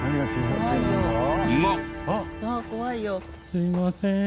すいませーん。